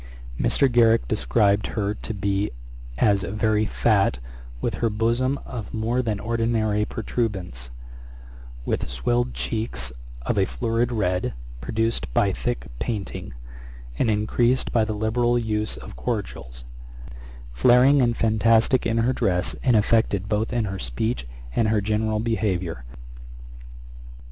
Mr. Garrick described her to me as very fat, with a bosom of more than ordinary protuberance, with swelled cheeks of a florid red, produced by thick painting, and increased by the liberal use of cordials; flaring and fantastick in her dress, and affected both in her speech and her general behaviour.